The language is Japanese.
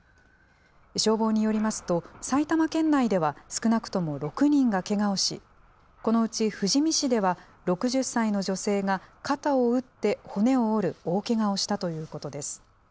消防によりますと、埼玉県内では少なくとも６人がけがをし、このうち富士見市では、６０歳の女性が肩を打って骨を折る大けがをしたということです。